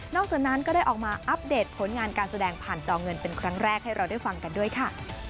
จากนั้นก็ได้ออกมาอัปเดตผลงานการแสดงผ่านจอเงินเป็นครั้งแรกให้เราได้ฟังกันด้วยค่ะ